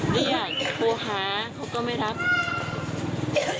เนี่ยโทรหาเขาก็ไม่รับ